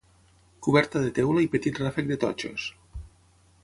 Coberta de teula i petit ràfec de totxos.